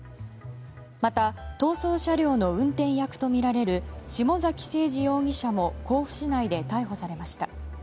また逃走車両の運転役とみられる下崎星児容疑者も甲府市内で逮捕されました。